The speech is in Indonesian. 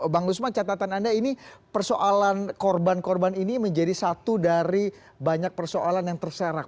bang usman catatan anda ini persoalan korban korban ini menjadi satu dari banyak persoalan yang terserak